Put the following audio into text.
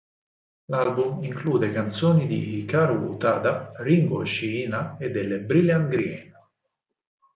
L'album include canzoni di Hikaru Utada, Ringo Shiina e delle Brilliant Green.